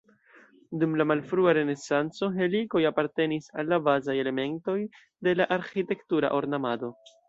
Dum la malfrua renesanco helikoj apartenis al la bazaj elementoj de la arĥitektura ornamado.